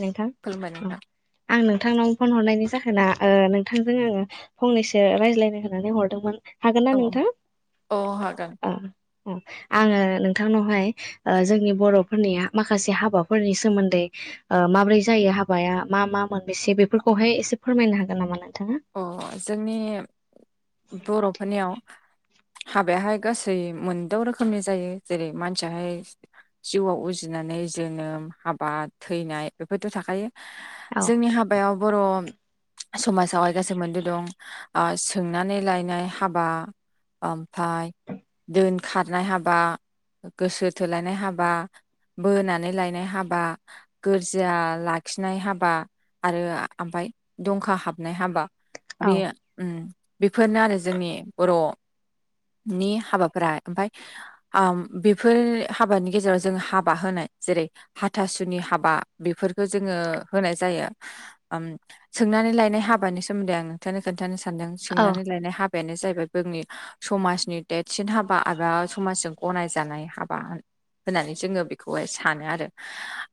नोंथां खुलुमबाय उम नोंथां आं नोंथांनाव फन हरनायनि जा होना नोंथांजों आङो फंनैसो रायज्लायनो होननानै हरदोंमोन। हागोन ना औ नोंथां? औ हागोन ओ ओ आङो नोंथांनावहाय जोंनि बर'फोरनिया माखासे हाबाफोरनि सोमोन्दै आ माब्रै जायो हाबाया मा मा मोनबेसे बेफोरखौहाय एसे फोरमायनो हागोन नामा नों? अ जोंनि बर'फोरनियाव हाबायाहाय गासै मोनद' रोखोमनि जायो जेरै मानसियाहाय जिउआव उजिनाय नानै जोनोम, हाबा, थैनाय बेफोरथ' थाखायो औ जोंनि हाबायाव बर' समाजावसाय गासै मोनद' दं सोंनानै लायनाय हाबा ओमफ्राय दोन खारनाय हाबा, गोसो थोलायनाय हाबा, बोनानै लायनाय हाबा, गोरजिया लाखिनाय हाबा आरो ओमफ्राय दंखा हाबनाय हाबा। औ बे उम बेफोरनो आरो जोंनि बर' नि हाबाफोरा। ओमफाय बेफोर हाबानि गेजेराव जों हाबा होनाय जेरै- हाथासुनि हाबा बेफोरखौ जोङो होनाय जाया ओम सों नानै लायनाय हाबानि सोमोन्दै आं नोंथांनो खोन्थानो सानदों औ सोंनानै लायनाय हाब यानो जाहैबाय जोंनि समाजनि देरसिन हाबा एबा समाजजों गनायजानाय हाबा होननानै जोङो बेखौहाय सानो आरो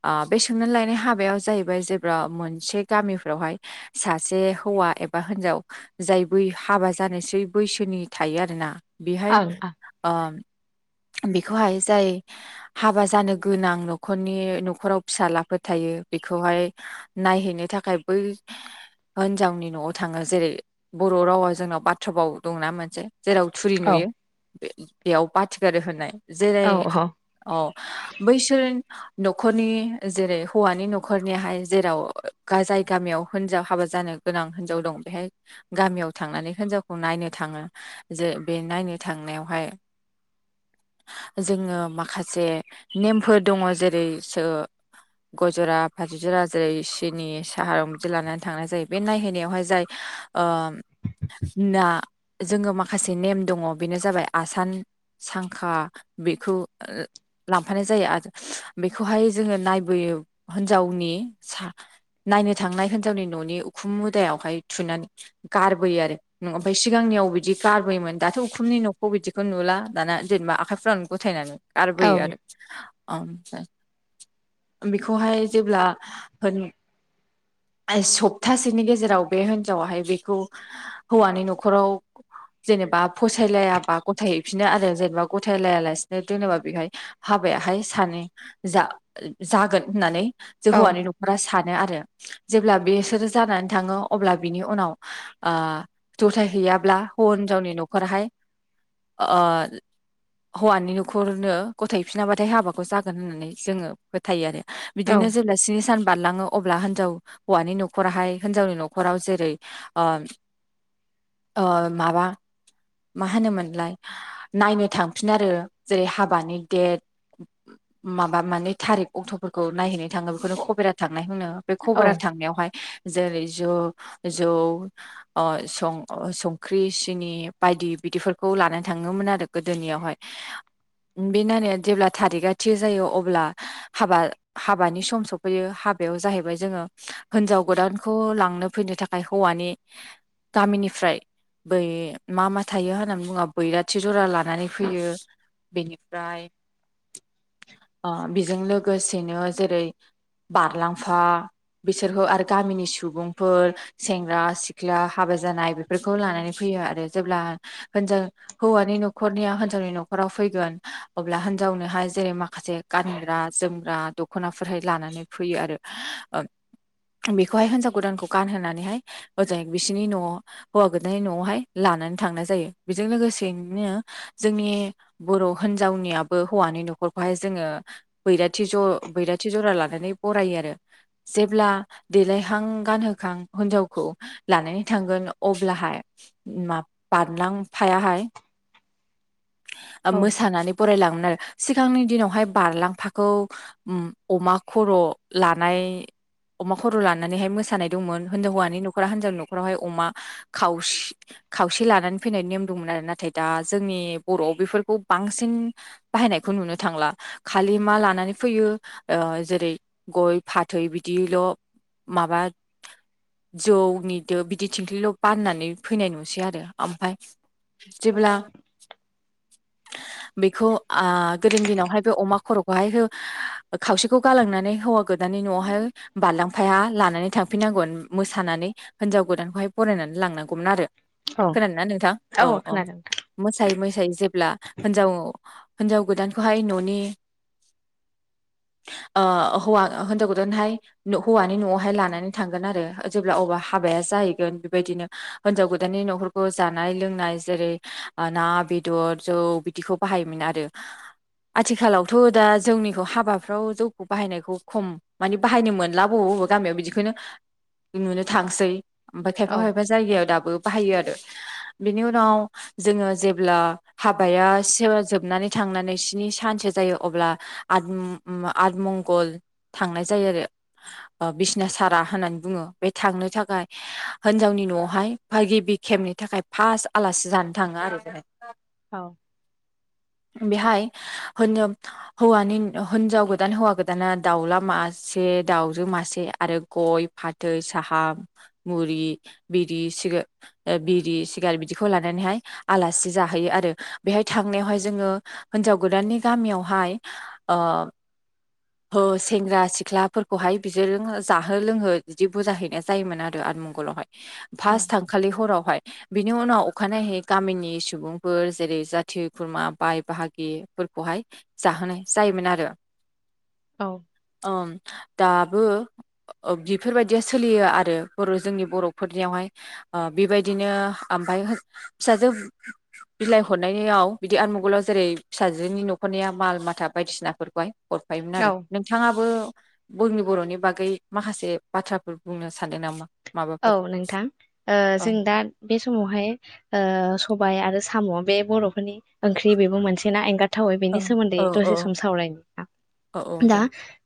ओ बे सोंनानै लायनाय हाबायाव जाहैबाय जेब्ला मोन से गामिफ्रावहाय सासे हौवा एबा हिनजाव जाय बै हाबा जानोसै बैसोनि थायो आरोना बेहाय ओं ओ बेखौहाय जाय हाबा जानो गोनां न'खरनि न'खराव फिसालाफोर थायो बेखौहाय नायहैनो नि थाखाय बै हिनजावनि न'आव थाङो जेरै बर' रावा जोंनाव बाथ्रा भाव दंना मोनसे जेराव थुरि ओं नुयो बेयाव बाथि गारो होन नाय जेरै औ औ बैसोर न'खरनि जेरै हौवानि न'खरनिहाय जेराव ओ जाय गामियाव हिनजाव हाबा जानो गोनां हिनजाव दं बेहाय गामियाव थांनानै हिनजावखौ नायनो थाङो जे बे नायनो थांनायावहाय [unintelligible] [inaudible] जोङो माखासे नेमफोर दङ जेरै - स गय जरा फाथै जरा जेरै सिनि साहा बिदि लानानै थांनाय जायो बे नायहैनायाव बेहाय जाय ना जोङो माखासे नेम दङ बेनो जाबाय आसान सांखा बेखौ लांफानाय जायो आरो बेखौहाय जोङो नायबोयो हिनजावनि नायनो थांनाय हिनजावनि न'नि उखुम मुदायाव बेहाय थुनानै गारबोयो आरो ओमफ्राय सिगांनियाव बिदि गारबोयोमोन दाथ' उखुमनि न'खौ बिदिखौ नुला दाना जेनेबा आखाइफ्रावनो गथायनानै औ गारबोयो आरो ओमफ्राय बेखौहाय जेब्ला होन आइ सप्तासेनि गेजेराव बे हिनजावाहाय बेखौ हौवानि न'खराव जेनेबा फसायलायाबा गथायहैफिनो आरो जेनेबा गथाय लाया लासिनो दोनोबा बेहाय हाबा बेहाय सानै जा जागोन होननानै जे हौवानि न'खरा सानो आरो जेब्ला बेसोरो जानानै थाङो अब्ला बिनि उनाव गथाय हैैयाब्ला हिनजावनि न'खराहाय आ [unintelligible] हौवानि न'खरनो गथायफिनाबाथाय हाबाखौ जागोन होननानै जोङो फोथायो आरो औ बिदिनो जेब्ला स्नि सान बारलाङो अब्ला हिनजाव हौवानि न'खराहाय हिनावनि न' खराव जेरै ओ माबा मा होनोमोनलाय नायनो थांफिन आरो जेरै हाबानि डेट माबा माने थारिख अक्ट'फोरखौ नायहैनो थाङो बेखौनो खबेरा थाङो [unintelligible] नाय होनो बे खबरा औ थांनायावहाय जेरै ज जौ ओ सं संख्रि सिनि बायदि बिदिफोरखौ लाना थाङोमोन आरो गोदोनिहाय बेनायनाया जेब्ला थारिगआ थि जायो अब्ला हाबा हाबानि सम सफैयो हाबायाव जाहैबाय जोंङो हिनजाव गोदानखौ लां लांनो फैनो थाखाय हौवानि गामिनिफ्राय बै मा मा थायो होननानै बुङो बैराथि जरा लानानै फैयो। बेनिफ्राय बेजों लोगोसेनो जेरै बारलांफा बिसोरखौ आरो गामिनि सुबुं फोर सेंग्रा सिख्ला हाबा जानाय बेफोरखौ लानानै फैयो आरो जेब्ला हिनजाव हौवानि न'खरनिया हिनजावनि न'खराव फैगोन अब्ला हिनजावनोहाय जेरै माखासे गानग्रा गानग्रा जोमग्रा दखनाफोर लानानै फैयो आरो बेखौहाय हिजाव गोदानखौ गानहोनानैहाय हजाय बिसिनि नवाव हौवा गोदाननि न'आवहाय लानानै थांनाय जायो बेजों लोगो सेनो जोंनि बर' हिनजावनियाबो हौवानि न'खरखौहाय जोङो बैराथि जरा लानानै बरायो आरो जेब्ला देलायहां गानहो खां हिनजावखौ लानानै थांगोन अब्लाहाय मा बारलांफायाहाय [inaudible] औ मोसानानै बरायलांनो सिगांनि दिनावहाय बारलांफाखौ अमा खर' लानाय अमा खर' लानानैहाय मोसानाय दंमोन हिन्जाव हौवानि न'खरा हिन्जावनि न'खावहाय अमा खाव-खावसे लानानै फैनायनि नेम दंमोन। आरो नाथाय दा जोंनि बर'आव बेफोरखौ बांसिन बाहायनायखौ नुनो थांला खालि मा मा लानानै फैयो ओ जेरै गय, फाथै बिदिल' माबा [inaudible] जौनिदो बिदि थिंख्लिल' बाननानै फैनाय नुसै आरो ओमफाय जेब्ला [inaudible] बेखौ आ गोदोनि दिनावहाय बे अमा खर'खौहाय हो खावसेखौ गालांनानै हौवा गोदानि न'आवहाय बारलां लानानै थां हांफिनांगौमोन मोसानानै हिनजाव गोदानखौहाय फरायनानै लांनांगौमोन आरो औ खोनादोना नोंथां औ अ खोनादों नोंथां मोसायै मोसायै जेब्ला होनजाव हिनजाव गोदानखौहाय न'नि ओ हौवा होनजाव गोदहाय हौवानि न'आवहाय लानानै थांगोन आरो जेब्ला अबा हाबाया जाहैगोन बेबायदिनो होनजाव गोदाननि न'खरखौ जानाय लोंनाय जेरै आ ना बेदर जौ बिदिखौ बाहायोमोन आरो आथिखालावथ' दा जोंनिखौ हाबाफ्राव जौखौ बाहायनायखौ खम माने बाहायनो मोनलाबाव बबा गियाव बिदिखौनो नुनो थांसै ओमफ्राय खायफा औ खायफा जायगायाव दाबो बाहायो आरो बेनि उनाव जोङो जेब्ला हाबाया [unintelligible] जोबनानै थांनानै स्नि सान सो जायो अब्ला आद आदमंगल थांनाय जायो आरो ओ बिसना सारा होननानै बुङो बे थांनो थाखाय होनजावनि न'आवहाय बा गिबि खेबनि थाखाय फार्स्ट आलासि सि जानो थाङा आरो बेहाय औ बेहाय हो [unintelligible] हौवानि होनजाव गोदान हौवा गोदाना दाउला मासे बे दाउजो मासे आरो गय फाथै साहा मुरि बिरि सिगा बिरि सिगारेत बिदि बिखौ लानानैहाय आलासि जाहैयो आरो बेहाय थांनायावहाय जोङो हिनजाव गोदाननि गामियावहा फाय ओ हो सेंग्रा सिख्लाफोरखौहाय बि जाहो लोंहो बिदि बुजा हैनाय जायोमोन आरो आतमंगलावहाय फार्स्ट थांखालि हरावहाय बिनि उनाव अखानायै गामिनि सुबुंफोर जेरै जाथि खुरमा बाय बाहागिफोरखौहाय हाय जाहोनाय जायोमोन आरो औ ओम दाबो ओ बिफोरबादिया सोलियो आरो बर' जोंनि बर'फोरनियावहाय ओ बेबायदिनो [unintelligible] बिलाइ हरनायनियाव बिदि आतमगलाव जेरै फिसाजोनि न'खरनिया माल माथा बायदिसिनाफोरखौहाय हरफायोमोन आरो औ नोंथाङाबो बोंनि बर'नि बागै माखासे बाथ्राफोर बुंनो सानदों नामा? औ माबाफोर नोंथां ओ औ जों दा बि समावहाय‌ ओ सबाय आरो साम' बे बर'फोरनि ओंख्रि बेबो मोनसेना एंगार थावै औ बेनि सोमोन्दै औ औ दसे सम सावराय ना औ औ दा दे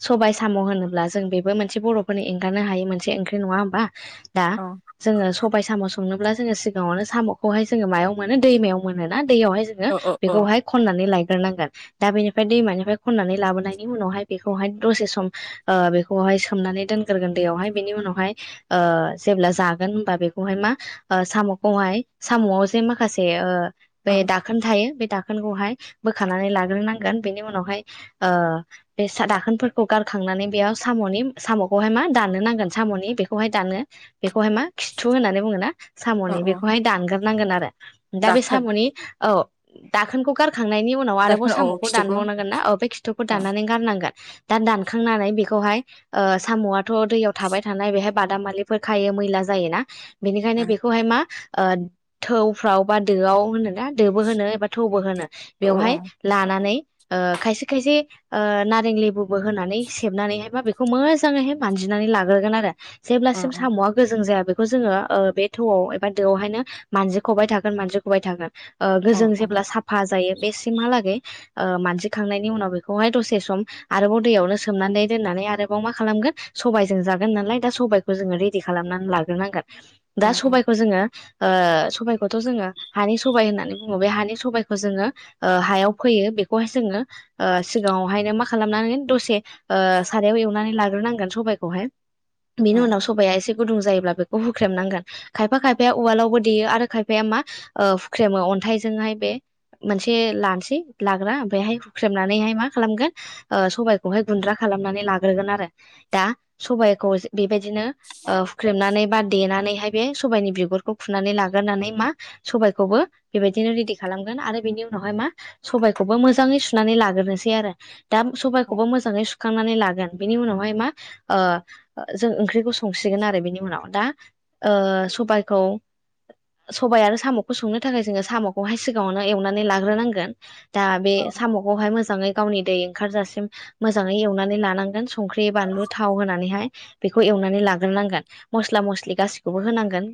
सबायाइ साम' होनोब्ला जों बेबो मोनसे बर'फोरनि एंगारनो हि मोनसे ओंख्रि नङा होमबा? दा औ जोङो सब सबाय साम' संनोब्ला जोङो सिगाङावनो साम'खौहाय जोङो मायाव मोनो दैमायाव मोन ना? दैयावहाय जोङो औ औ बेखौहाय खनानै लाय ग्रोनांगोन दा बेनि दैमफ्राय खनानै लाबोनायनि उनावहाय बेखौहाय दसे सम ओ बेखौहाय सोमनानै दोनगोरगोन दैयावहाय बेनि उनावहाय ओ जेब्ला जागोन होनबा बेखौहाय मा ओ साम'खौहाय साम'आव जे माखासे ओ बे औ दाखोन थायो बे दाखोनखौहाय बोखानानै लाग्रोनांगोन बेनि उनावहाय ओ बे सा दोनखोनफोरखौ गारग्रो खांनानै बेयाव साम'नि साम'खौहाय मा दाननो नांगोन साम'नि बेख बेखौहाय दानो बेखौहाय मा खिथु होननानै बुङो ना औ साम'नि औ बेखौहाय दानग्रोनांगोन आरो दा बे दाखोन साम'नि औ दाखोनखौ गार खांनायनि उनाव आरोबाव दाखोन औ साम'खौ खिथुखौ दानबावनांगोन ना औ बे खिथुखौ औ दाननानै गारनांगोन दा दानखांनानै बेखौहाय ओ साम'आथ' दैयाव थाबाय थानाय बेहाय बादामालिफोर खायो मैला जायोना औ बेनिखायनो बेखौहाय मा ओ थौफ्राव बा दोआव होनोना दोबो होनो एबा थौबो होनो औ औ बेवहाय लानानै ओ खायसे खायसे ओ नारें लेबुबो होनानै सेबनानैहाय बा बेखौ मोजाङैहाय मानजिनानै लाग्रोगोन आरो औ जेब्लासिम साम'आ गोजों जाया बेखौ जोङो ओ बे थौआव एबा दोआवहायनो मानजि खबाय थागोन मानजि खबाय थागोन। ओ औ गोजों औ जेब्ला साफा जायो बेसिमहालागै मानजिखांनायनि उनाव बेखौहाय दसे सम आरोबाव दैयावनो सोमनानै दोननानै आरोबाव मा खालामगोन सबबायजों जागोन नालाय दा सबायखौ जोङो रेडि खालामनानै लाग्रोनांगोन। दा औ सबायखौ जोङो ओ सबायखौथ' जोङो हानि सबायाइ होननानै बुङो बे हानि सबायाइखौ जोङो ओ हायाव फोयो। बेखौहाय जोङो सिगाङावहायनो मा खालामनानै दसे सारायाव एवनानै लाग्रोनांगोन साबायखौहाय। बिनि उनाव सबाया एसे गुदुं जायोब्ला बेखौ हुख्रेमनांगोन। खायफा खायफाया उवालावबो देयो आरो खायफाया मा हुख्रेमो। अन्थाइजोंहाय बे मोनसे लानोसै लाग्रा ओमफ्रायहाय हुख्रेमनानैहाय मा खालामगोन सबाइखौहाय गुन्द्रा खालाम नानै लाग्रोगोन आरो। दा सबायखौ बेबादिनो हुख्रेमनानै बा देनानैहाय बे सबायनि बिगुरखौ खुनानै लाग्रोनानै मा सबाइखौबो बेबायदिनो रेडि खालाम गोन आरो बिनि उनावहाय मा सबायखौबो मोजाङै सुनानै लाग्रोनोसै आरो। दा सबबायखौबो मोजां सुखांनानै लागोन बेनि उनावहाय मा ओ जों ओंख्रिखौ संसिगोन आरो बेनि उनाव। दा सबायखौ सबाय आरो साम'खौ संनो थाखाय जोङो साम'खौहाय सिगाङावनो एवनानै लाग्रोनांगोन। दा बे औ साम'खौहाय मोजाङै गावनि दै ओंखारजासिम मोजाङै एवनानै लानांगोन संख्रि बानलु थाव होनानैहाय। बेखौ एवनानै लाग्रोनांगोन मस्ला मस्लि गासिखौबो होनांगोन।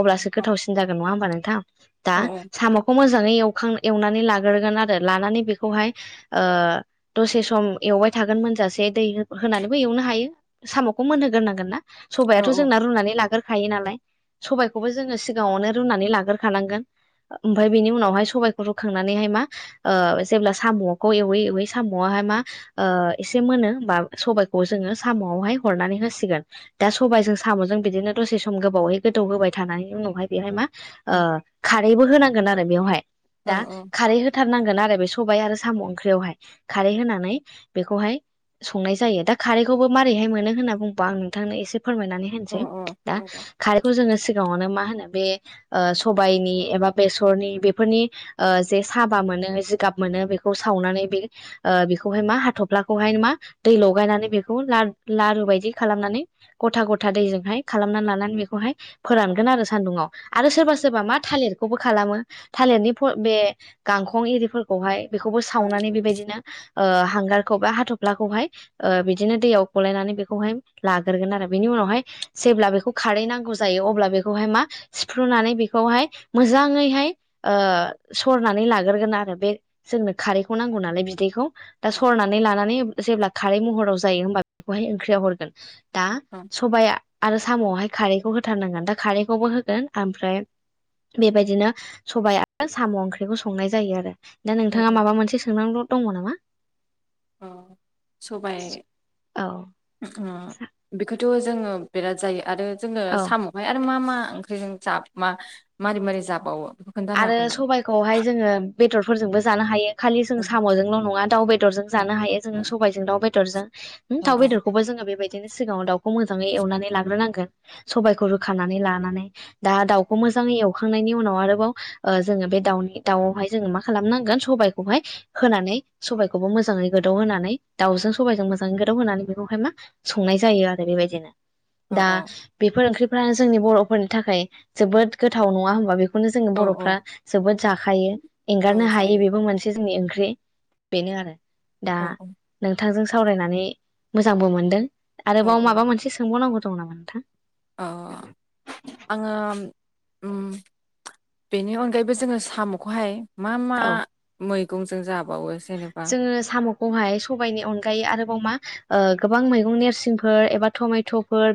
अब्लासो गोथावसिन जागोन नङा होमबा नोंथां? दा औ साम'खौ मोजाङै एव खां एवनानै लाग्रोगोन आरो लानानै बेखौहाय दसे सम एवबाय थागोन मोन जासे दै होनानैबो एवनो हायो साम'खौ मोनहोग्रोनांगोन ना सबबायाथ' जोंना रुनानै लाग्रो खायो नालाय सबायखौबो जोङो सिगाङावनो रुनानै लाग्रोखानांगोन। ओमफ्राय बेनि उनावहाय सबबायखौ रुखांनानैहाय मा ओ जेब्ला साम'खौ एवै एवै साम'आ मा एसे मोनो बा सबबायखौ जोङो साम' आवहाय हरनानै होसिगोन। दा सबायाइजों साम'जों बिदिनो दसे सम गोबावहै गोदौ होबाय थानानै उनावहाय बेहाय मा खारैबो होनांगोन आरो बेवहाय दा खारै होथारनांगोन। आरो बे सबाय आरो साम' ओंख्रियावहाय खारै होनानै बेखौहाय संनाय जायो। दा खारैखौबो मारोरैहाय मोनो होनना बुंबा आं नोंथांनो एसे फोरमायनानै होनोसै दा खारैखौ जोङो सिगाङावनो मा होनो बे सबायाइनि एबा बेसरनि बेफोरनि जे साबा मोनो जिगाब मोनो बे -बेखौ सावनानै बेखौहाय मा हाथफ्लाखौहाय मा दै लगायनानै बेखौ लारु बायदि खालामनानै गथा गथा दैजोंहाय खालामनानै लानानै बेखौहाय फोरानगोन आरो सान्दुङाव। आरो सोरबा सोरबा मा थालिरखौबो खालामो थालिरनि बे गांखं एरिफोरखौहाय बेखौबो सावनानै बेबायदिनो ओ हांगारखौ बा हाथफखौहाय ओ बिदिनो दै गलायनानै बेखौहाय लाग्रोगोन आरो बेनि उनावहाय जेब्ला बेखौ खारै नांगौ जायो अब्ला बेखौहाय मा सिफ्रु नानै बेखौहाय मोजाङैहाय ओ सरनानै लाग्रोगोन आरो। बे जोंनो खारैखौ नांगौ नालाय बिदैखौ। दा सरनानै लानानै जेब्ला खारै महराव जायो होमबा बेखौहाय ओंख्रियाव हरगोन। दा सबाया आरो साम'आवहाय खारैखौ होथारनांगोन। दा खारैखौबो होगोन ओमफ्राय बेबायदिनो सबाइ आरो साम' ओंख्रिखौ संनाय जायो आरो। दा औ नोंथाङा माबा मोनसे सोंनांगौ' दङ नामा? सबाय औ बेखौ थ' जोङो बेराद जायो आरो जोङो औ साम'खौहाय आरो मा मा ओंख्रिजों जबावो आरो मारै मारै जाबावो? बेखौ खोन्थानो आरो हागोन नामा? सबायाइखौहाय जोङो बेदरफोरजोंबो जानो हायो। खालि जों औ साम'जोंल' नङा दाउ बेदरजों जानो हायो जोङो सबायजों दाउ बेदरजों। औ थाव बेदरखौबो जोङो बेबायदि बिदिनो सिगाङाव दाउखौ मोजाङै एवनानै लाग्रोनांगोन सबबायखौ रोखानानै लानानै दा दाउखौ मोजा मोजाङै एवखांनायनि उनाव आरोबाव जोङो बे दाउनि दाउावहाय जोङो मा खालामनांगोन सबाइखौहाय होनानै सबाइखौबो मोजां मोजै गोदौ होनानै दाउजों सबबायजों मोजाङै गोदौ होनानै बेखौहाय मा संनाय जायो आरो बेबायदिनो औ दा बेफोर ओंख्रिफ्रानो जोंनि बर'फोरनि थाखाय जोबोद गोथाव नङा होनबा बेखौ ज औ बर'फ्रा औ जोबोद जाखायो एंगारनो औ हायो जायो बेबो मोनसे जोंनि ओं ओंख्रि बेनो आरो दा औ औ नोंथांजों सावरायनानै मोजांबो मोनदों औ आरोबाव औ माबा मोनसे सोंबावनांगौ दं नामा नोंथां अ आङो बेनि अनगायैबो जोङो साम'खौहाय मा मा औ मैगंजों जाबो जोङो साम'खौहाय सबायाइनि अनगायै आरोबाव मा गोबां मैगं नेरसिंफोर एबा मेट'फोर बे